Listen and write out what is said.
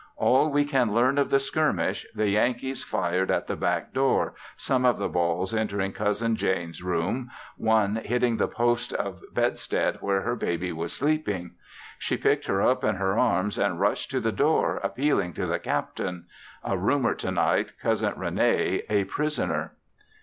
All we can learn of the skirmish, the Yankees fired at the back door, some of the balls entering Cousin Jane's room, one hitting the post of bedstead where her baby was sleeping. She picked her up in her arms and rushed to the door appealing to the captain. A rumor tonight Cousin Rene a prisoner.